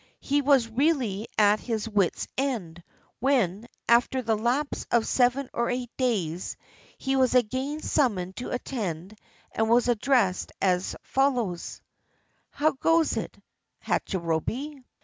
He was really at his wit's end, when, after the lapse of seven or eight days, he was again summoned to attend and was addressed as fol lows: — "How goes it, Hachirobei?